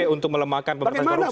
untuk melemahkan pemerintahan korupsi